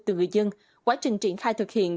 từ người dân quá trình triển khai thực hiện